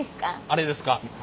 あれですか。